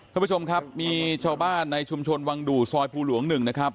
ท่านผู้ชมครับมีชาวบ้านในชุมชนวังดูซอยภูหลวง๑นะครับ